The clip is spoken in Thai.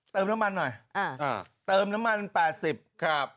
เติมน้ำมันหน่อยเติมน้ำมัน๘๐นะครับ